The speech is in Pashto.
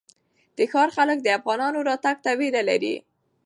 د ښار خلک د افغانانو راتګ ته وېره لري.